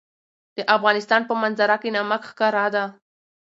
د افغانستان په منظره کې نمک ښکاره ده.